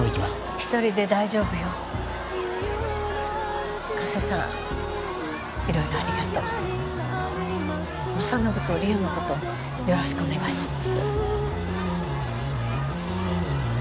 １人で大丈夫よ加瀬さん色々ありがとう政信と梨央のことよろしくお願いします